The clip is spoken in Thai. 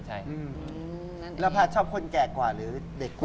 แล้วพาดชอบคนแกกว่าหรือเด็กน้อย